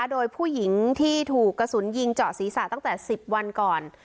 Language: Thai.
โดยผู้หญิงที่ถูกกระสุนยิงเจาะศีรษะตั้งแต่๑๐วันก่อน